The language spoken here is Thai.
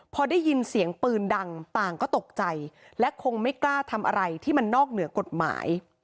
พอได้ยินเสียงปืนดังต่างก็ตกใจและคงไม่กล้าทำอะไรที่มันนอกเหนือกฎหมาย